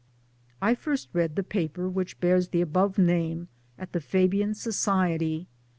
I first read the paper which bears the above name at the Fabian Society